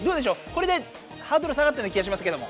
これでハードル下がったような気がしますけど。